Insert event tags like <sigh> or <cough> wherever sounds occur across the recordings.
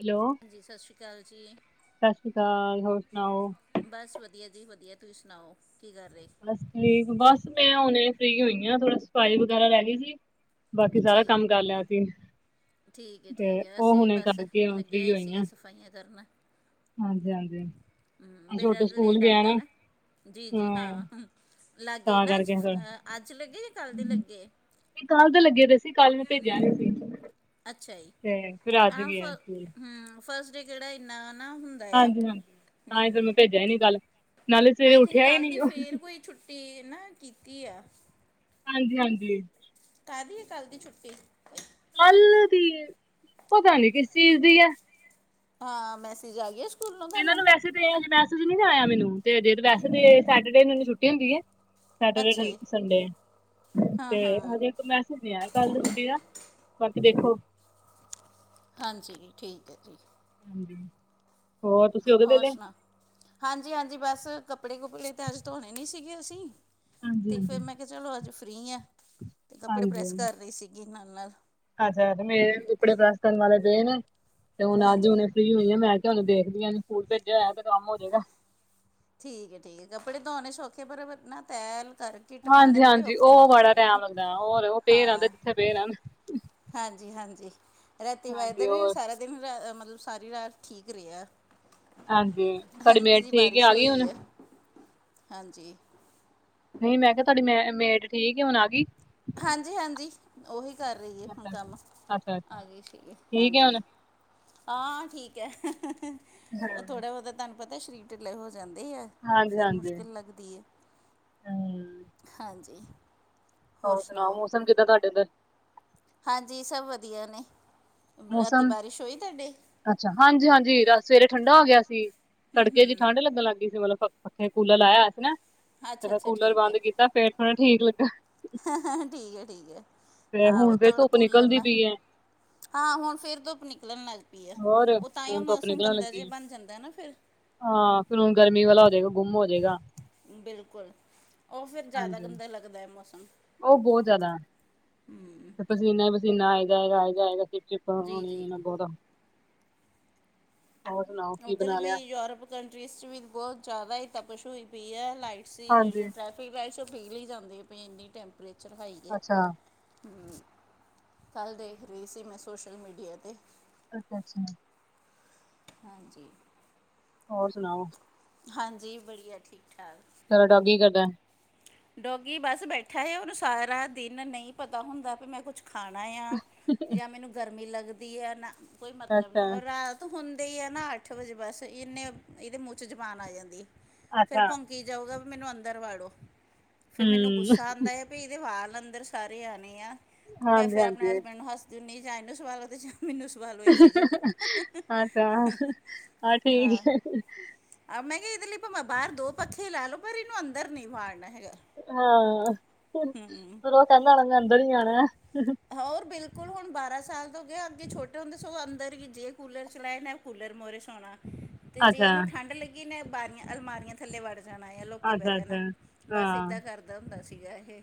Hello, ਹਾਂਜੀ ਸਤਿ ਸ਼੍ਰੀ ਅਕਾਲ ਜੀ ਸਸ ਰੀ ਕਾਲ ਹੋਰ ਸੁਨਾਓ ਬਸ ਵਦੀਆ ਜੀ ਵਦੀਆ ਤੁਸੀਂ ਸੁਣਾਓ, ਕੀ ਕਰ ਰਏ ਬਸ ਠੀਕ, ਬਸ ਮੈਂ ਹੁਣੇ ਫ੍ਰਰੀ ਹੋਈ ਹਾਂ, ਥੋੜਾ ਸਫਾਈ ਵਗੈਰਾ ਰਹ ਗਈ ਸੀ। ਬਾਕੀ ਅੱਛਾ ਸਾਰਾ ਜੀ ਕੰਮ ਕਰ ਲਿਆ ਸੀ। ਠੀਕ ਏ- ਤੇ ਠੀਕ ਏ ਉਹ ਅਸੀਂ ਵੀ ਹੁਣੇ ਬਸ ਕਰਕੇ ਹੁਣ ਲੱਗੇ ਹੋਏ ਸੀਗੇ ਸਫਾਈਆਂ ਕਰਨ। ਹਾਂਜੀ- ਹਾਂਜੀ। ਹੂੰ ਬੇਟਾ ਤੇ ਲੇਟ ਆਂਦਾ ਏ ਨਾ ਜੀ- ਜੀ ਹਾਂ। ਲਗ ਗਏ ਤਾਂ ਨਾ ਅੱਜ, ਕਰਕੇ ਫਿਰ ਅੱਜ ਲੱਗੇ ਜਾਂ ਕਲ ਦੇ ਨਹੀਂ ਲੱਗੇ ਏ। ਕੱਲ ਦੇ ਲੱਗੇ ਪੇਈ ਸੀ, ਕੱਲ ਮੈਂ ਭੇਜਿਆ ਨਹੀ ਸੀ। ਤੇ ਫੇਰ ਅੱਜ ਗਿਆ ਸਕੂਲ। ਹੂੰ ਫਸਟ ਡੇ ਕਿਹੜਾ ਇੰਨਾ ਨਾ ਹੈ ਨਾ। ਹਾਂਜੀ- ਹਾਂਜੀ ਤਾਂ ਹੀ ਫੇਰ ਮੈਂ ਭੇਜਿਆ ਹੀ ਨੀ ਕਲ, ਨਾਲੇ ਸਵੇਰੇ ਉੱਠਿਆ ਹੀ ਨੀ ਗਿਆ ਹਾਂਜੀ। ਤੇ ਕੋਈ ਛੁੱਟੀ ਟੀ ਨਾ ਕੀਤੀ ਆ। ਹਾਂਜੀ- ਹਾਂਜੀ। ਕਾਹਦੀ ਏ ਕੱਲ ਦੀ ਛੁੱਟੀ? ਕਲ ਦੀ ਏ। ਹਾਂ ਮੈਸਜ ਆ ਗਿਆ। ਸਕੂਲੋਂ ਇਹਨਾਂ ਤੁਹਾਨੂੰ ਨੂੰ ਵੈਸੇੇ ਤੇ ਮੈਸੇਜ ਨਈ ਆਯਾ ਮੈਂਨੂੰ, ਜੇ ਵੈਸੇ ਤੇ ਸੈਚਰਡੇ ਨੂੰ ਛੁੱਟੀ ਹੁੰਦੀ ਏ। ਅੱਛਾ ਸੈਟਰਡੇ, ਜੀ ਸੰਡੇ ਹਾਂ ਤੇ ਹਾਂ ਹਜੇ ਮੈਸੇਜ ਨਹੀਂ ਆਇਆ ਕੱਲ ਦੀ ਛੁੱਟੀ ਦਾ, ਬਾਕੀ ਦੇਖੋ। ਹਾਂਜੀ, ਠੀਕ ਏ ਜੀ। ਹਾਂਜੀ। ਹੋਰ ਤੁਸੀਂ ਹੋ ਗਏ ਹੋਰ ਵੇਲੇ ਸੁਣਾ ਹਾਂਜੀ- ਹਾਂਜੀ ਬਸ ਕੱਪੜੇ- ਕੁਪੜੇ ਤਾਂ ਅੱਜ ਧੋਣੇ ਨਹੀਂ ਸੀਗੇ ਅਸੀ। ਹਾਂਜੀ ਤੇ ਹਾਂਜੀ ਫੇਰ ਮੈਂ ਕਿਹਾ ਚਲੋ ਅੱਜ ਫ੍ਰਰੀ ਆ, ਤੇ ਕੱਪੜੇ ਪ੍ਰੈਸ ਕਰ ਰਹੀ ਸੀਗੀ ਨਾਲ- ਨਾਲ। ਅੱਛਾ-ਅਛਾ ਮੇਰੇ ਕਪੜੇ ਪ੍ਰੈਸ ਕਰਨ ਵਾਲੇ ਗੇ ਨੇ, ਤੇ ਓਹ ਅੱਜ ਹਾਂਜੀ ਹੁਨੇ ਫੀ੍ ਹੋਈ ਆਂ, ਮੈਂ ਕਿਹਾ ਹੁਣ ਦੇਖਦੀ ਹਾਂ ਕਿ ਸਕੂਲ ਭੇਜਿਆ ਹੋਇਆ ਤੇ ਕੰਮ ਹੋ ਜਾਏਗਾ। ਠੀਕ ਏ-ਠੀਕ ਏ ਕੱਪੜੇ ਧੋਉਣੇ ਸੌਖੇ ਪਰ ਨਾ ਤੈਯ ਲਗਾਣੇ ਹਾਂਜੀ- ਹਾਂਜੀ ਉਹ ਬੜਾ ਟੈਮ ਲੱਗਦਾ। ਹਾਂ ਹੋਰ ਔ ਪਏ ਰਹਿੰਦੇ ਹਾਂ ਜਿੱਥੇ ਪਏ ਰਹਣ। ਹਾਂਜੀ- ਹਾਂਜੀ ਰਾਤੀ ਹਾਂਜੀ ਵੈਦਰ ਵੀ ਹੋਰ ਸਾਰਾ ਦਿਨ ਰਾ ਮਤਲਬ ਸਾਰੀ ਰਾਤ ਠੀਕ ਰਿਹਾ। ਹਾਂਜੀ ਤੁਹਾਡੀ ਹਲਕੀ ਮੇਡ ਜਿਹੀ ਠੀਕ ਬਾਰਿਸ਼ ਆ ਗਈ ਹੁਣ ਹੋਈ ਹੈ, ਹਾਂਜੀ। ਨਹੀਂ ਮੈਂ ਕਿਹਾ ਤੁਹਾਡੀ ਮੇ ਮੇਡ ਠੀਕ ਹੈ, ਹੁਣ ਆ ਗਈ? ਹਾਂਜੀ- ਹਾਂਜੀ। ਉਹੀ ਕਰ ਰਹੀ ਹੈ ਹੁਣ ਅੱਛਾ-ਅੱਛਾ, ਕੰਮ, ਅੱਛਾ-ਅੱਛਾ ਆ ਗਈ ਸੀਗੀ ਠੀਕ ਹੈ ਹਾਂਜੀ। ਹੁਣ? ਹਾਂ ਠੀਕ ਹੈ, ਉਹ ਥੋੜਾ ਬਹੁਤਾ ਤੁਹਾਨੂੰ ਪਤਾ ਸਰੀਰ ਢਿੱਲੇ ਹੋ ਜਾਂਦੇ ਏ ਆ। ਫੇਰ ਹਾਂਜੀ-ਹਾਂਜੀ। ਮੁਸ਼ਕਿਲ ਲੱਗਦੀ ਏ, ਹੂੰ, ਹਾਂਜੀ। ਹੋਰ ਸੁਣਾਓ ਮੌਸਮ ਕਿੱਦਾਂ ਤੁਹਾਡੇ ਓਦਰ? ਹਾਂਜੀ ਸਭ ਵਧੀਆ ਨੇ, ਰਾਤੀ ਮੌਸਮ ਬਾਰਿਸ਼ ਹੋਈ ਤੁਹਾਡੇ? ਅੱਛਾ ਹਾਂਜੀ- ਹਾਂਜੀ ਰਾ ਸਵੇਰੇ ਠੰਡਾ ਹੋ ਗਿਆ ਸੀ, ਤੜਕੇ ਚ ਠੰਢ ਲੱਗਣ ਲੱਗ ਗਈ ਸੀ ਮਤਲਬ ਪੱਖੇ, ਕੂਲਰ ਲਾਇਆ ਹੋਆ ਸੀ ਨਾ, ਫੇਰ ਅੱਛਾ ਮੈਂ ਅੱਛਾ ਕੂਲਰ ਠੀਕ ਹੈ ਬੰਦ ਕੀਤਾ ਫੇਰ ਥੋੜਾ ਠੀਕ ਲੱਗਾ। ਠੀਕ ਹੈ- ਠੀਕ ਹੈ ਤੇ ਹੁਣ ਆਹੋ ਫੇਰ ਥੋੜਾ ਧੁੱਪ ਕੂਲਰ ਨਿਕਲਦੀ ਨਾ ਪਈ ਹੈ ਹਾਂ ਹੁਣ ਫੇਰ ਧੁੱਪ ਨਿਕਲਣ ਲੱਗ ਪਈ ਆ, ਹੋਰ ਉਹ ਤਾਂ ਹੀ ਉਹ ਹੁਣ ਧੁੱਪ ਮੌਸਮ ਨਿਕਲਣ ਗੰਦਾ ਜਿਹਾ ਲੱਗੀ ਹੈ। ਬਣ ਜਾਂਦਾ ਨਾ ਫੇਰ। ਹਾਂ ਫੇਰ ਹੁਣ ਗਰਮੀ ਵਾਲਾ ਹੋ ਜਾਏਗਾ, ਗੁੰਮ ਹੋ ਜਾਏਗਾ। ਬਿਲਕੁਲ ਉਹ ਫੇਰ ਜ਼ਿਆਦਾ ਹਾਂਜੀ। ਗੰਦਾ ਲੱਗਦਾ ਹੈ ਮੌਸਮ। ਉਹ ਬਹੁਤ ਜ਼ਿਆਦਾ। ਤੇ ਪਸੀਨਾ- ਪਸੀਨਾ, ਆ ਜਾਏਗਾ- ਆ ਜਾਏਗਾ ਚਿਪ- ਚਿਪ ਜੀ ਹੋਣੀ ਜੀ ਨਾ ਬਹੁਦਾ। ਸੁਣਾਓ ਕੀ ਉੱਧਰ ਬਣਾ ਵੀ ਲਿਆ? ਕੰਟਰੀਜ਼ ਚ ਵੀ ਬੋਤ ਜ਼ਿਆਦਾ ਹੀ ਤਪਸ਼ ਹੋਈ ਪਈ ਐ ਲਾਈਟਸ ਵੀ ਜੇੜੀ ਹਾਂਜੀ। ਡਾ <unintelligible> ਪਿਗਲੀ ਜਾਂਦੇ ਪਈ ਐ ਇੰਨੀ ਟੈਂਪਰੇਚਰ ਹਾਈ ਅੱਛਾ ਐਛਰ ਕੱਲ੍ਹ ਦੇਖ ਰੀ ਸੀ ਮੈਂ ਸੋਸ਼ਲ ਮੀਡੀਆ ਤੇ ਅੱਛਾ-ਅੱਛਾ। ਹਾਂਜੀ। ਹੋਰ ਸੁਣਾਓ? ਹਾਂਜੀ ਬੜੀਆ ਠੀਕ-ਠਾਕ। ਤੇਰਾ ਡੋਗੀ ਕੀ ਕਰਦਾ? ਡੋਗੀ ਬਸ ਬੈਠਾ ਹੈ ਉਹਨੂੰ ਸਾਰਾ ਦਿਨ ਨਹੀਂ ਪਤਾ ਹੁੰਦਾ ਵੀ ਮੈਂ ਕੁੱਛ ਖਾਣਾ ਆ ਹੈ? ਜਾਂ ਮੈਨੂੰ ਗਰਮੀ ਲੱਗਦੀ ਆ ਨਾ ਕੋਈ ਮਤਲਬ ਅੱਛਾ। ਨਹੀਂ ਔਰ ਰਾਤ ਹੁੰਦੇ ਹੀ ਆ ਨਾ ਅੱਠ ਵਜੇ ਬਸ ਇੰਨੇ ਇਹਦੇ ਮੂੰਹ ਚ ਜਬਾਨ ਆ ਜਾਂਦੀ ਏ ਫੇਰ ਅੱਛਾ ਭੋਂਕੀ ਕਈ ਜਾਊਗਾ ਵੀ ਮੈਨੂੰ ਅੰਦਰ ਵਾੜੋ ਫੇਰ ਮੈਨੂੰ ਹੂੰ, ਗੁੱਸਾ ਆਂਦਾ ਆ- ਇਹਦੇ ਵਾਲ ਅੰਦਰ ਸਾਰੇ ਆਣੇ ਆ ਤੇ ਮੈਂ ਫੇਰ ਆਪਣੇ ਹਾਂਜੀ-ਹਾਂਜੀ। ਹਸਬੈਂਡ ਨੂੰ ਹੱਸਦੀ ਹੂਣੀ ਹਾਂ ਜਾਂ ਇਹਨੂੰ ਸਵਾਲੋ ਜਾ ਮੇ ਮੈਨੂੰ ਸਵਾਲੋ ਏ ਸੀ ਚ ਅੱਛਾ, ਹਾਂ ਆਹ ਠੀਕ ਐ, ਆਹ ਮੈਂ ਕਿਹਾ ਇਹਦੇ ਲਈ ਪਾਵਾਂ ਬਾਰ ਦੋ ਪੱਖੇ ਲਾਲੋ ਪਰ ਇਹਨੂੰ ਅੰਦਰ ਨਹੀਂ ਵਾੜਨਾ ਹੈਗਾ। ਹਾਂ ਹੂੰ ਫੇਰ ਉਹ ਕਹਿੰਦਾ ਹੋਣਾ ਮੈਂ ਅੰਦਰ ਹੀ ਆਣਾ। ਹਾਂ ਹੋਰ ਬਿਲਕੁਲ ਹੁਣ ਬਾਰਾਂ ਸਾਲ ਤੋਂ ਹੋਗੇ ਅੱਗੇ ਛੋਟੇ ਹੁੰਦੇ ਸਗੋ ਅੰਦਰ ਗਿਜ ਗੇ ਕੂਲਰ ਚਲਾਏ ਨੇ ਕੂਲਰ ਮੋਹਰੇ ਸੋਣਾ ਤੇ ਜੇ ਅੱਛਾ, ਇਹਨੂੰ ਠੰਡ ਲੱਗੀ ਨਾ ਬਾਰੀਆਂ ਅਲਮਾਰੀਆਂ ਥੱਲੇ ਵੱੜ ਜਾਣਾ ਆ ਲੋਕ ਕੇ ਬੈ ਜਾਣਾ ਅੱਛਾ-ਅੱਛਾ। ਬਸ ਹਾਂ, ਏਦਾਂ ਕਰਦਾ ਹੁੰਦਾ ਸੀਗਾ ਇਹ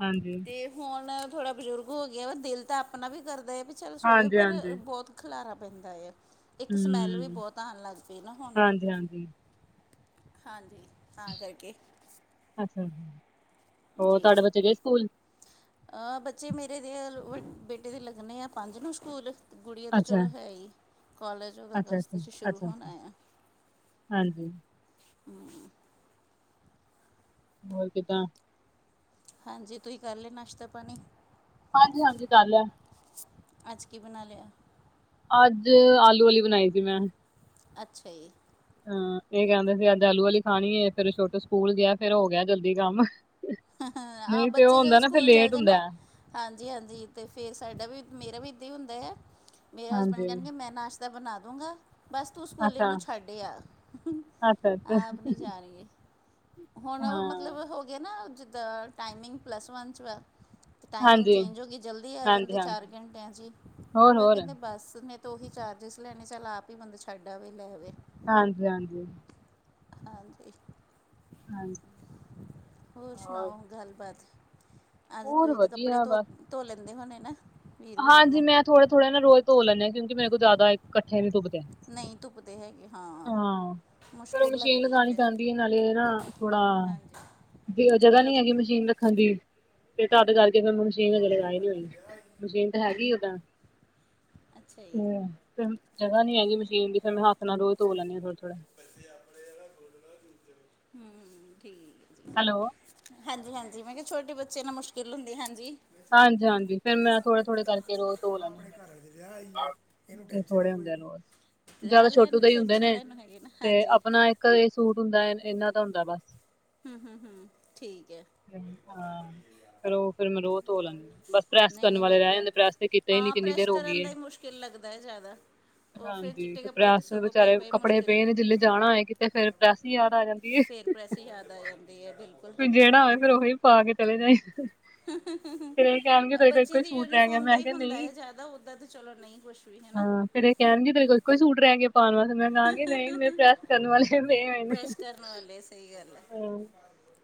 ਹਾਂਜੀ। ਤੇ ਹੁਣ ਥੋੜਾ ਬਜ਼ੁਰਗ ਹੋ ਗਿਆ ਵੈ ਦਿਲ ਤਾਂ ਆਪਣਾ ਵੀ ਕਰਦਾ ਹੈ ਵੀ ਚੱਲ ਸੋਵੇ ਪਰ ਹਾਂਜੀ-ਹਾਂਜੀ, ਬੋਤ ਖਲਾਰਾ ਪੈਂਦਾ ਏ ਇੱਕ ਸਮੈੱਲ ਵੀ ਹੂੰ, ਬਹੁਤ ਆਣ ਲੱਗ ਪਈ ਨਾ ਹੁਣ ਹਾਂਜੀ-ਹਾਂਜੀ। ਹਾਂਜੀ ਤਾ ਕਰਕੇ ਅੱਛਾ ਹੋਰ ਜੀ ਤੁਹਾਡੇ ਬੱਚੇ ਗਏ ਸਕੂਲ? ਅ ਬੱਚੇ ਮੇਰੇ ਦੇ ਬੇਟੇ ਦੇ ਲੱਗਣੇ ਆ ਪੰਜ ਨੂੰ ਸਕੂਲ ਗੁੜੀਆ ਤਾਂ ਅੱਛਾ, ਚਲੋ ਹੈ ਹੀ ਕੋਲਜ ਉਹਦਾ ਅਗਸਤ ਅੱਛਾ-ਅੱਛਾ, ਚ ਸ਼ੁਰੂ ਅੱਛਾ-ਅੱਛਾ, ਹੋਣਾ ਆ। ਹਾਂਜੀ। ਹੋਰ ਕਿਦਾਂ? ਹਾਂਜੀ ਤੁਸੀਂ ਕਰ ਲਿਆ ਨਾਸ਼ਤਾ-ਪਾਣੀ? ਹਾਂਜੀ-ਹਾਂਜੀ ਕਰ ਲਿਆ। ਅੱਜ ਕੀ ਬਣਾ ਲਯਾ? ਅੱਜ ਆਲੂ ਵਾਲੀ ਬਣਾਈ ਸੀ ਮੈਂ ਅੱਛਾ ਜੀ। ਹਾਂ ਇਹ ਕਹਿੰਦੇ ਸੀ ਅੱਜ ਆਲੂ ਵਾਲੀ ਖਾਣੀ ਏ ਫੇਰ ਛੋਟੂ ਸਕੂਲ ਗਿਆ ਫੇਰ ਹੋ ਗਿਆ ਜਲਦੀ ਕੰਮ। ਆ ਨਹੀਂ ਤੇ ਉਹ ਬੱਚੇ ਜਦੋਂ ਹੁੰਦਾ ਨਾ ਫੇਰ ਸਕੂਲ ਚਲ ਲੇਟ ਜ ਹੁੰਦਾ ਨਾ ਹੈ ਹਾਂਜੀ-ਹਾਂਜੀ ਤੇ ਫੇਰ ਸਾਡਾ ਵੀ ਮੇਰਾ ਵੀ ਏਦਾਂ ਹੀ ਹੁੰਦਾ ਆ ਮੇਰਾ ਹਸਬੈਂਡ ਹਾਂਜੀ ਕਹਿਣਗੇ ਮੈਂ ਨਾਸ਼ਤਾ ਤਾਂ ਬਣਾ ਦੂੰਗਾ ਬਸ ਤੂੰ ਸਕੂੱਲ ਅੱਛਾ ਇਨੂੰ ਛੱਡ ਆ ਅੱਛਾ ਅੱਛਾ ਆਪ ਨੀ ਜਾਣਗੇ। ਹੁਣ ਮਤਲਬ ਹਾਂ ਹੋ ਗਏ ਨਾ ਜਿੱਦਾਂ ਟਾਈਮਿੰਗ ਪਲੱਸ ਵਨ ਚ ਵਾ ਅਤੇ ਟਾਈਮਿੰਗ ਹਾਂਜੀ ਚੇਂਜ ਹੋ ਗਈ ਜਲਦੀ ਆ ਹਾਂਜੀ ਜਾਂਦੇ ਚਾਰ ਹਾਂਜੀ ਘੰਟਿਆਂ ਚ ਈ ਹੋਰ ਫਿਰ ਹੋਰ ਕਹਿੰਦੇ ਬਸ ਨੇ ਤੋਂ ਉਹੀ ਚਾਰਜਿਸ ਲੈਣੇ ਚੱਲ ਆਪ ਹੀ ਬੰਦਾ ਛੱਡ ਆਵੇ ਲੈਵੇ। ਹਾਂਜੀ-ਹਾਂਜੀ। ਹਾਂਜੀ। ਹਾਂਜੀ ਹੋਰ ਸੁਣਾਓ ਗੱਲਬਾਤ ਅੱਜ ਹੋਰ ਤੁਸੀਂ ਤੇ ਕੱਪੜੇ ਵਧੀਆ ਧੋ ਬਸ ਧੋ ਲੈਂਦੇ ਹੋਣੇ ਨਾ। ਵੀਰਵਾਰ ਹਾਂਜੀ ਨੂੰ ਮੈਂ ਥੋੜੇ ਥੋੜ੍ਹੇ ਨਾ ਰੋਜ ਧੋ ਲੈਂਨੀ ਹਾਂ, ਕਿਉਂਕ ਮਰੇ ਕੋਲ ਜਿਆਦਾ ਇਕੱਠ ਨੀ ਤੁੱਪਦੇ। ਨਹੀਂ ਤੁੁੱਪਦੇ ਹੈਗੇ, ਹਾਂ। ਫਿਰ ੳਹ ਮੁਸ਼ਕਿਲ ਮਸ਼ੀਨ ਲੱਗਦੀ ਲਗਾਉਣੀ ਫਿਰ ਪੈਂਦੀ ਹੈ ਨਾਲੇ ਨਾ, ਥੋੜਾ ਹਾਂਜੀ ਵੀ ਉਹ ਜਗ੍ਹਾ ਨੀ ਹੈਗੀ ਮਸ਼ੀਨ ਰੱਖਣ ਦੀ ਤੇ ਤਦ ਕਰਕੇ, ਫਿਰ ਮਸ਼ੀਨ ਅਜੇ ਲਗਾਈ ਨੀ ਹੋਈ। ਮਸ਼ੀਨ ਤਾਂ ਹੈਗੀ ਓਦਾਂ, ਅੱਛਾ ਜੀ ਹਮ। ਫਿਰ ਜਗ੍ਹਾ ਨੀ ਹੈਗੀ ਮਸ਼ੀਨ ਦੀ, ਫਿਰ ਮੈਂ ਹੱਥ ਨਾਲ ਰੋਜ ਤੋ ਲੈਂਨੀ ਹਾਂ ਥੜੇ ਥੋੜੇ ਹਮ ਠੀਕ, ਜੀ ਹੈਲੋ। ਹਾਂਜੀ ਹਾਂਜੀ, ਮੈਂ ਕਿਹਾ ਛੋਟੇ ਬੱਚੇ ਨਾਲ ਮੁਸ਼ਕਿਲ ਹੁੰਦੀ, ਹਾਂਜੀ। ਹਾਂਜੀ ਹਾਂਜੀ, ਫੇਿਰ ਮੈਂ ਥੋੜਾ ਥੋੜੇ ਕਰਕੇ ਰੋਜ ਆਹ ਆਪਣੇ ਘਰ ਵਾਲੇ ਦੇ ਵਿਆਹ ਆਈ ਆਂ, ਇਹਨੂੰ ਤੇ ਟੈਂਨਸ਼ਨ ਹੀ ਥੋੜੇ ਕੋਈ ਹੁੰਦੇ ਆ ਨਹੀਂ ਰੋਜ਼ ਜਿਆਦਾ ਮਜਾਲ ਆ ਛੋਟੂ ਟੈਨਸ਼ਨ ਲੈਣ ਹੈਗੀ ਨਾ, ਹਾਂਜੀ। ਕਦੇ ਸੂਟ ਹੁੰਦਾ ਇਹਨਾਂ ਦਾ ਹੁੰਦਾ, ਬਸ ਹੂੰ ਹੂੰ ਹੂੰ ਠੀਕ ਹੈ ਹਾਂ ਕਰੋ ਉਹ, ਫਿਰ ਮਰੋ, ਬਸ ਪ੍ਰੈਸ ਨਹੀਂ ਕਰਨ ਨਹੀਂ ਵਾਲੇ ਰਹਿ ਵਧੀਆ ਜਾਂਦੇ, ਪ੍ਰੈਸ ਤੇ ਕੀਤਾ ਹੀ ਨੀ ਹਾਂ ਕਿੰਨੀ ਪ੍ਰੈਸ ਦੇਰ ਹੋ ਕਰਨ ਗਈ। ਦਾ ਹੀ ਮੁਸ਼ਕਿਲ ਲੱਗਦਾ ਹੈ ਜ਼ਿਆਦਾ ਉਹ ਫਿਰ ਹਾਂਜੀ, ਚਿੱਟੇ ਤੇ ਕੱਪੜੇ ਪ੍ਰੈਸ ਸੋਗੋ ਪਏ ਵਿਚਾਰੇ ਪਏ ਕੱਪੜੇ ਮੁਸ਼ਕਿਲ ਪਏ ਜੇ ਜਾਣਾ ਹੈਏ ਕਿਤੇ ਫੇਰ ਪ੍ਰੈਸ ਹੀ ਯਾਦ ਆ ਜਾਂਦੀ। ਫੇਰ ਪ੍ਰੈਸ ਯਾਦ ਆ ਜਾਂਦੀ ਹੈ, ਬਿਲਕੁਲ ਜਿਹੜਾ ਹੋਵੇ ਫੇਰ, ਉਹੀ ਪਾ ਕੇ ਚਲੇ ਜਾਏ। ਬੱਚਿਆਂ ਦੀ ਸੂਟ ਰਹਿ ਗਿਆ ਯੂਨੀਫਾਰਮ ਦਾ ਮੈਂ ਹੀ ਕਿਹਾ ਹੁੰਦਾ ਨਹੀਂ ਹੈ ਜ਼ਿਆਦਾ, ਉਓਦਾਂ ਤਾਂ ਚਲੋ ਨਹੀਂ ਕੁਛ ਵੀ ਹੈਨਾ। ਫਿਰ ਇਹ ਕਹਿਣਗੇ ਤੇਰੇ ਕੋਲ ਇੱਕੋ ਹੀ ਸੂਟ ਰਹਿ ਗਿਆ ਪਾਉਣ ਵਾਸਤੇ, ਮੈਂ ਕਹਾਂਗੀ ਨਹੀਂ ਮੈਂ ਪ੍ਰੈਸ ਕਰਨ ਵਾਲੇ ਪਏ ਹੋਏ ਨੇ। ਪ੍ਰੈਸ ਕਰਨ ਵਾਲੇ ਸਹੀ ਗੱਲ ਹੈ, ਹਾਂ,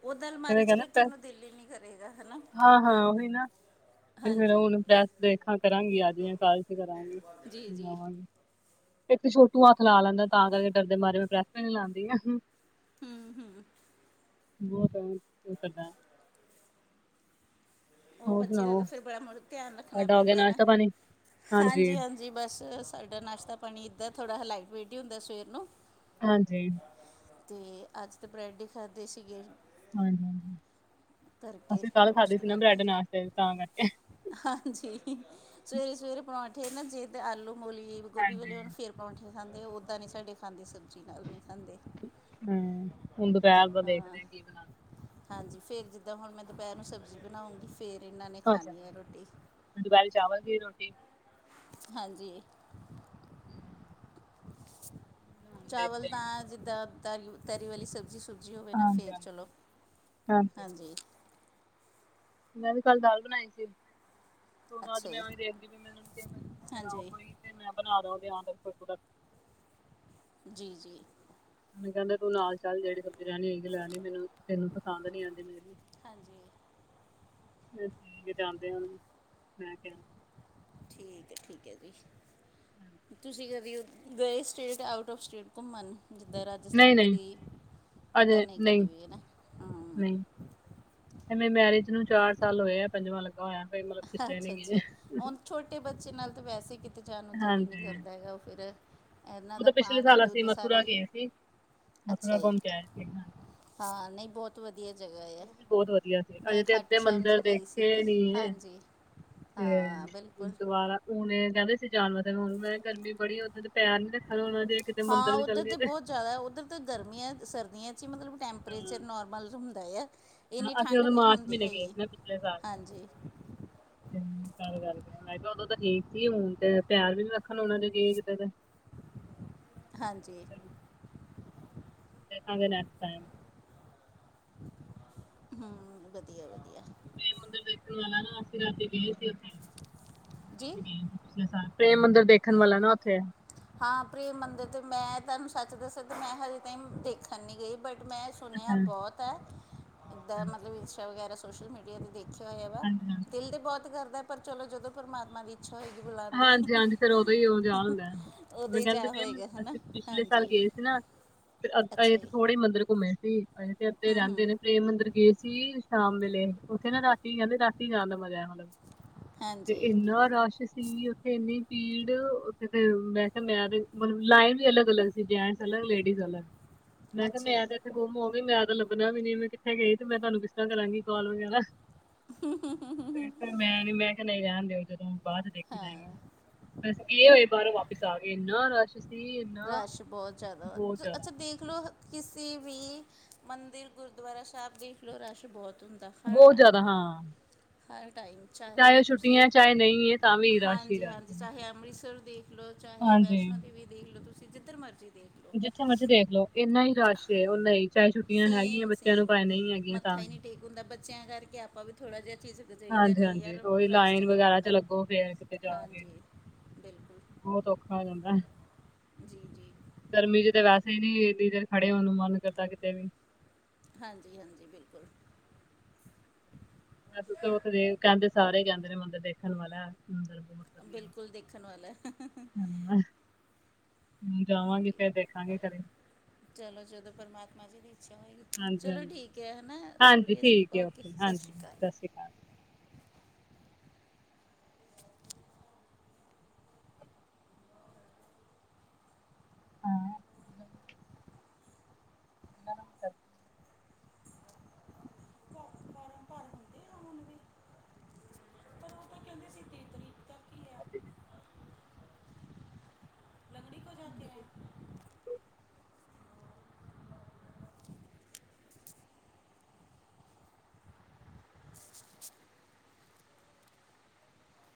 ਉਹ ਦ ਫੇਰ ਅਲਮਾਰੀ ਇਹ 'ਚ ਕਹਿੰਦੇ ਰੱਖਣ ਪ੍ਰੈਸ ਨੂੰ ਦਿਲ ਹੀ ਨਹੀਂੀ ਕਰੇਗਾ। ਹਨਾ, ਹਾਂ ਹਾਂ ਉਹੀ ਨਾ ਤੇ ਫਿਰ ਹੁਣ ਪ੍ਰੈਸ ਦੇਖਾਂ ਕਰਾਂਗੀ, ਅੱਜ ਜਾ ਕਾਲ 'ਚ ਕਰਾਂਗੀ। ਜੀ ਜੀ ਇੱਕ ਤੇ ਛੋਟੂ ਹੱਥ ਲਾ ਲੈਂਦਾ ਤਾਂ ਕਰਕੇ ਡਰਦੇ ਮਾਰੇ ਮੈਂ ਪ੍ਰੈਸ ਨੀ ਲਾਂਦੀ। ਹਮ, ਹਮ। ਹੋ ਉਹਦਾ ਉਹ ਹੋਰ ਬੱਚੇ ਦਾ ਸੁਣਾਓ ਤਾਂ ਫਿਰ ਬੜਾ ਮੁੜ ਧਿਆਨ ਰੱਖਣਾ ਤੁਹਾਡਾ ਹੋ ਗਿਆ ਪੈਂਦਾ ਨਾ। ਨਾਸ਼ਤਾ ਪਾਣੀ ਹਾਂਜੀ ਜੀ ਬਸ, ਸਾਡਾ ਨਾਸ਼ਤਾ ਪਾਣੀ ਇੱਦਾਂ ਥੋੜ੍ਹਾ ਲਾਈਟ ਵੇਟ ਹੀ ਹੁੰਦਾ ਸਵੇਰ ਨੂੰ, ਹਾਂਜੀ। ਤੇ ਅੱਜ ਤਾਂ ਬ੍ਰੈਡ ਹੀ ਖਾਂਦੇ ਸੀਗੇ। ਹਾਂਜੀ ਹਾਂ, ਕਰਕੇ ਅਸੀਂ ਕੱਲ੍ਹ ਖਾਧੀ ਟੋਸਟ ਸੀ ਨਾ ਬ੍ਰੈਡ ਕਰਕੇ ਨਾਸ਼ਤੇ ਤਾਂ ਕਰਕੇ ਹਾਂਜੀ, ਸਵੇਰੇ ਸਵੇਰੇ ਪਰੌਂਠੇ ਨਾ ਜੇ ਤਾਂ ਆਲੂ, ਮੂਲੀ, ਗੋਭੀ ਹਾਂਜੀ ਵਾਲੇ ਹੋੁਣ ਫਿਰ ਪਰੌਂਠੇ ਖਾਂਦੇ, ਉੱਦਾਂ ਨਹੀਂ ਸਾਡੇ ਖਾਂਦੇ, ਸਬਜ਼ੀ ਨਾਲ ਨਹੀਂ ਖਾਂਦੇ। ਹਮ, ਹੁਣ ਦੁਪਹਿਰ ਦਾ ਦੇਖਦੇ ਹਾਂ ਹਾ ਕੀ ਬਣਾਦੇ। ਹਾਂਜੀ, ਫੇਰ ਜਿੱਦਾਂ ਹੁਣ ਮੈਂ ਦੁਪਹਿਰ ਨੂੰ ਸਬਜ਼ੀ ਬਣਾਉਂਗੀ ਫੇਰ ਇਹਨਾਂ ਨੇ ਖਣੀ ਹੈ ਰੋਟੀ। ਦੁਪਹਿਰੀ ਚਾਵਲ ਤੇ ਰੋਟੀ, ਹਾਂਜੀ। ਹਮ। ਹੁਣ ਚਾਵਲ ਦੇਖਦੇ ਹਾਂ। ਤਾਂ, ਜਿੱਦਾਂ ਤਰੀ-ਤਰੀ ਵਾਲੀ ਸਬਜ਼ੀ ਸੁਕੀ ਜੀ ਹੋਵੇ ਨਾ ਹਾਂਜੀ ਫੇਰ ਚਲੋ, ਹਾਂਜੀ ਹਾਂਜੀ। ਮੈਂ ਵੀ ਕੱਲ ਦਾਲ ਬਣਾਈ ਸੀ। ਭੈਣ ਅੱਜ ਅੱਛਾ ਜੀ ਮੈਂ ਦੇਖਦੀ ਮੈਂ ਉਹ ਕਿਹਾ ਓ ਹਾਂਜੀ ਕੋਈ ਤੇ ਮੈਂ ਬਣਾਂਦਾ ੳਦੇ ਐਂਡ? ਜੀ ਜੀ। ਮੈਂਨੂੰ ਕਹਿੰਦੇ ਤੁੰ ਨਾਲ ਚੱਲ, ਜਿਹੜੀ ਸਬਜ਼ੀ ਲੈਣੀ ਹੋਗੀ ਲੈ ਲਈ ਮੈਨੂੰ ਤੈਨੂੰ ਪਸੰਦ ਨਹੀਂ ਆਉਂਦੀ ਮੇਰੀ। ਹਾਂਜੀ ਫੇ ਕੀ ਜਾਂਦੇ ਹੋ, ਮੈਂ ਕਿਹਾ? ਠੀਕ ਹੈ- ਠੀਕ ਹੈ ਜੀ। ਤੁਸੀਂ ਕਦੀ ਗਏ ਸਟੇਟ, ਆਊਟ ਓਫ਼ ਸਟੇਟ ਘੁੰਮਣ? ਜਿੱਦਾਂ ਨਹੀਂ ਰਾਜਸਥਾਨ ਨਹੀਂ ਕਦੀ, ਇੱਦਾਂ ਨਹੀਂ ਕਦੇ ਗਏ ਹੈ ਨਾ। ਹਮ, ਨਹੀਂ, ਏ ਮੇਰੀ ਮੈਰਿਜ ਨੂੰ ਚਾਰ ਸਾਲ ਹੋਏ ਆ। ਪੰਜਵਾਂ ਲੱਗਾ ਹੋਇਆ। ਕੋਈ ਮਤਲਬ ਕਿਤੇ ਨੀ ਅੱਛਾ- ਗਏ ਅੱਛਾ ਹੁਣ? ਛੋਟੇ ਬੱਚੇ ਨਾਲ ਤਾਂ ਵੈਸੇ ਵੀ ਕਿਤੇ ਜਾਣ ਨੂੰ ਦਿਲ ਹੀ ਨਹੀਂ ਹਾਂਜੀ ਕਰਦਾ ਹੈਗਾ ਉਹ ਫੇਰ। ਇਹਨਾਂ ਉਹ ਦਾ ਤਾਂ ਪਿਛਲੇ ਪਾਣੀ, ਸਾਲ ਅਸੀਂ ਦੁੱਧ ਸਾਰਾ ਮਥੁਰਾ ਗਏ ਸੀ ਅੱਛਾ ਮਥੁਰਾ ਈ। ਘੁੰਮ ਕੇ ਆਏ ਸੀ ਹਾਂਜੀ ਹਾਂ, ਨਹੀਂ ਬਹੁਤ। ਬਹੁਤ ਵਧੀਆ ਜਗਾ ਹੈ। ਉਹ ਵੀ ਬਹੁਤ ਵਧੀਆ ਸੀ ਮੈਂ ਅਜੇ ਤੇ ਖਾਟੂ ਅੱਧੇ ਸ਼ਾਮ ਜੀ ਮੰਦਿਰ ਗਈ ਦੇਖੇ ਸੀਗੀ, ਨੀ ਹਾਂਜੀ। ਹਾਂ ਬਿਲਕੁਲ। ਬਾਰ ਲੂਹ ਹੈ ਇਹ ਕਹਿੰਦੇ ਸੀ ਜਾਨਾ ਨਹੀਂ ਦੇਣਾ। ਹੁਣ ਮੈਂ ਕਿਹਾ। ਗਰਮੀ ਬੜੀ ਉੱਥੇ ਤੇ ਪੈਰ ਨੀ ਰੱਖਣ ਹੋਣਾ ਜੇ। ਕਿਤੇ ਹਾਂ ਮੰਦਿਰ ਵੀ ਚੱਲ ਉੱਧਰ ਗਏ ਤਾਂ ਤੇ ਬਹੁਤ ਜ਼ਿਆਦਾ ਉੱਧਰ ਤਾਂ ਗਰਮੀਆਂ, ਸਰਦੀਆਂ 'ਚ ਹੀ ਮਤਲਬ ਹਾਂ ਟੈਂਪਰੇਚਰ ਨੋਰਮਲੁੰ ਦਾ ਆ, ਇੰਨੀ ਹਾਂ, ਅਸੀਂ ਠੰਡ ਉਦੋਂ ਨਹੀਂ ਮਾਰਚ ਹੁੰਦੀ ਮਹੀਨੇ ਗਏ ਹੈਗੀ, ਸੀ ਨਾ ਹਾਂਜੀ। ਹੂੰ ਕਰ ਗੱਲ ਕਰ। ਮੈਂ ਕਿਹਾ ਉਦੋਂ ਤਾਂ ਠੀਕ ਸੀ। ਹੁਣ ਤੇ ਪੈਰ ਵੀ ਨੀ ਰੱਖਣ ਹੋਣਾਂ ਜ਼ਮੀਨ ਤੇ, ਤੇ। ਹਾਂਜੀ। ਵੇਖਾਂਗੇ ਨਕਸ਼ ਟਾਇਮ। ਹੂੰ ਵਧੀਆ- ਵਧੀਆ। ਮੰਦਿਰ ਹੁਣ ਤੇ ਦੇਖਣ ਵਾਲਾ ਨਾ ਅਸੀਂ ਰਾਤੀਂ ਗਏ ਸੀ ਉਥੇ। ਜੀ ਅਸੀਂ ਗਏ ਸੀ ਪਿਛਲੇ ਸਾਲ? ਪ੍ਰੇਮ ਮੰਦਿਰ ਦੇਖਣ ਵਾਲਾ ਨਾ ਉੱਥੇ। ਹਾਂ ਪ੍ਰੇਮ ਮੰਦਰ ' ਮੈਂ ਤੁਹਾਨੂੰ ਸੱਚ ਦੱਸਿਆ ਤਾਂ ਮੈਂ ਹਜੇ ਤਾਈ ਦੇਖਣ ਨਹੀਂ ਗਈ, ਬਟ ਮੈਂ ਸੁਣਿਆ ਅੱਛਾ ਬਹੁਤ ਹੈ। ਇੱਦਾਂ ਅੱਛਾ, ਮਤਲਬ ਹੈ ਇੰਸਟਾ ਵਗੈਰਾ, ਸੋਸ਼ਲ ਮੀਡੀਆ ਤੇ ਦੇਖਿਆ ਹੋਇਆ ਵਾ। ਹਾਂਜੀ ਹਾਂਜੀ ਦਿਲ ਤੇ ਬਹੁਤ ਕਰਦਾ ਪਰ ਚਲੋ ਜਦੋਂ ਪਰਮਾਤਮਾ ਦੀ। ਇੱਛਾ ਹੋਏਗੀ ਬੁਲਾਂਣ ਦੀ। ਹਾਂਜੀ ਹਾਂਜੀ ਫਿਰ ਉਦੋਂ ਹੀ ਉਹ ਜਾਣ ਹੁੰਦਾ ਹੈ। ਉਹਦੋਂ ਮੈਂ ਹੀ ਕਹਿੰਦੇ ਜਾ ਪਈ ਆ, ਮੈਂ ਹੋਏਗਾ ਹੈਣਾਂ, ਹਾਂਜੀ। ਫੇਰ ਆਪਾਂ ਅੱਛਾ ਅਜੇ ਜੀ ਥੋੜੇ ਮੰਦਰ ਘੁੰਮੇ ਸੀ, ਅਜੇ ਤੇ ਅੱਧੇ ਰਹਿੰਦੇ ਨੇ ਪੈ੍ਮ ਮੰਦਿਰ ਗਏ। ਸੀ ਸ਼ਾਮ ਵੇਲੇ, ਉੱਥੇ ਨਾ ਰਾਤੀ ਜਾਂਦੇ ਰਾਤੀ ਜਾਣਂ ਦਾ ਮਜ਼ਾ ਆ, ਮਤ- ਤੇ ਹਾਂਜੀ ਇੰਨਾ ਰਸ਼ ਸੀ। ਸੀ 'ਉੱਥੇ ਇੰਨੀ ਭੀੜ 'ਉੱਥੇ ਮੈਂ ਕਿਹਾ ਮੈਂ ਮਤਲਬ ਲਾਈਨ ਵੀ ਅਲੱਗ- ਅਲੱਗ ਸੀ ਜਿਵੇਂ। ਜੇਂਟਸ ਅਲਗ, ਲੇਡੀਜ਼ ਅਲਗ ਮੈਂ ਕਿਹਾ ਅੱਛਾ ਮੈਂ ਜੀ ਤੇ ਗੁੰਮ ਹੋਗਈ ਤੇ ਮੈਂ ਤਾਂ ਲੱਭਣਾ ਵੀ ਨੀ, ਮੈਂ ਕਿੱਥੇ ਗਈ ਤੇ ਮੈਂ ਤੁਹਾਨੂੰ ਕਿਸਤਰਾਂ ਕਰਾਂਗੀ। ਕਾਲ ਵਗੈਰਾ ਤੇ <inaudible> ਫਿਰ ਮੈਂ ਨੀ ਮੈਂ ਕਿਹਾ ਨਹੀਂ ਰਹਿਣ ਦਿਓ ਜਦੋਂ ਬਾਅਦ ਚ ਦਿਖ- ਹਾਂ। ਬਸ ਗਏ ਹੋਏ, ਬਾਹਰੋਂ ਵਾਪਿਸ ਆ ਗਏ ਇੰਨਾ ਰਸ਼। ਸੀ ਇੰਨਾ ਰਸ਼ ਬਹੁਤ ਜ਼ਿਆਦਾ ਹੋ ਬਹੁਤ ਜਾਂਦਾ ਹੈ, ਜ਼ਿਆਦਾ ਅੱਛਾ ਦੇਖ ਲੋ- ਕਿਸੀ ਵੀ ਮੰਦਿਰ, ਗੁਰਦੁਆਰਾ ਸਾਹਿਬ ਦੇਖਲੋ ਰਸ਼ ਬਹੁਤ ਆ। ਬਹੁਤ ਜ਼ਿਆਦਾ ਹਾਂ। ਹਰ ਟਾਈਮ ਚਾਹੇ ਛੁੱਟੀਆਂ ਤੁਸੀਂ ਹੈ, ਚਾਹੇ ਨਹੀਂ ਹੈ ਤਾਂ ਵੀ ਰਸ਼ ਹੀ ਹਾਂਜੀ ਰਸ਼। ਹਾਂਜੀ ਚਾਹੇ ਅੰਮ੍ਰਿਤਸਰ ਦੇਖ ਲੋ, ਚਾਹੇ ਹਾਂਜੀ ਵੈਸ਼ਨੋ ਦੇਵੀ ਦੇਖ ਲੋ, ਤੁਸੀਂ ਜਿੱਧਰ ਮਰਜ਼ੀ ਦੇਖ ਲੋ। ਜਿੱਥੇ ਮਰਜ਼ੀ ਦੇਖਲਓ। ਇੰਨਾ ਹੀ ਰਸ਼ ਉਹਨਾਂ ਹੀ ਚਾਹੇ ਛੁੱਟੀਆਂ ਹੈਗੀਆਂ ਸੇਮ ਬੱਚਿਆਂ ਨੂੰ ਸੇਮ ਭਾਵੇਂ ਨਹੀਂ ਹੈਗੀਆਂ ਤਾਂ ਮੱਥਾ ਹੀ ਵੀ। ਨਹੀਂ ਟੇਕ ਹੁੰਦਾ ਬੱਚਿਆਂ ਕਰਕੇ ਆਪਾਂ ਵੀ ਥੋੜਾ ਜਿਹਾ ਚੀਜ਼, ਗਜਹੀ ਦਾ ਨਹੀਂ ਹਾਂਜੀ-ਹਾਂਜੀ। ਯਾਰ ਉਹੀ ਰਸ਼ ਚ ਲਾਈਨ ਨਹੀਂ ਵਗੈਰਾ ਵਣਨਾ ਲੱਗੋ ਫੇਰ ਕਿਤੇ ਜਾ ਕੇ ਹਾਂਜੀ ਬਿਲਕੁਲ। ਬਹੁਤ ਔਖਾ ਹੋ ਜਾਂਦਾ ਹੈ। ਜੀ- ਜੀ। ਗਰਮੀ 'ਚ ਤਾਂ ਵੈਸੇ ਹੀ ਨਹੀਂ ਏਨੀ ਦੇਨ ਖੜੇ ਹੋਣ ਨੂੰ ਮਨ ਕਰਦਾ ਕਿਤੇ ਵੀ ਹਾਂਜੀ-ਹਾਂਜੀ ਬਿਲਕੁਲ ਬ ਉਥੇ ਦੇ ਕੈਂਦੇ ਸਾਰੇ ਹੀ ਕੈਂਦੇ ਨੇ ਮੰਦਰ ਦੇਖਣ ਵਾਲਾ ਮੰਦਰ ਬ ਬਿਲਕੁਲ ਦੇਖਣ ਵਾਲਾ ਹੁਣ ਜਾਵਾਂਗੇ ਹਾਂਜੀ ਫਿਰ ਦੇਖਾਂਗੇ ਘਰੇ ਚਲੋ ਜਦੋਂ ਪਰਮਾਤਮਾ ਜੀ ਦੀ ਇੱਛਾ ਹੋਏਗੀ। ਚਲੋ ਹਾਂਜੀ-ਹਾਂਜੀ। ਠੀਕ ਹੈ ਹਨਾ ਹਾਂਜੀ ਹਾਂਜੀ, ਗੁੜੀਆ ਜੀ ਠੀਕ ਹੈ ਓਕੇ ਸਤਿ ਹਾਂਜੀ ਸ਼੍ਰੀ ਅਕਾਲ। ਸਤਿ ਸ਼੍ਰੀ ਅਕਾਲ। ਹਾਂ <inaudible> <inaudible> ਤੇ ਓ ਤੇ ਕੈਂਦੀ ਸੀ ਤੀਹ ਤਰੀਕ ਤੱਕ <inaudible> <inaudible> <inaudible>